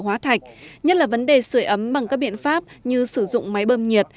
hóa thạch nhất là vấn đề sửa ấm bằng các biện pháp như sử dụng máy bơm nhiệt